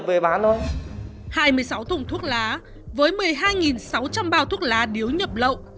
vào thuốc lá điếu nhập lậu